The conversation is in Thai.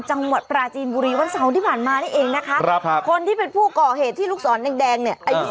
จังหวัดปราจีนบุรีวันเสาร์ที่ผ่านมานี่เองนะคะครับคนที่เป็นผู้ก่อเหตุที่ลูกศรแดงเนี่ยอายุ